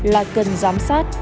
là cần giám sát